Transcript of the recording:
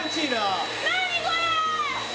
何これ！